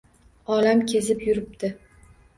Olam kezib yuribdi.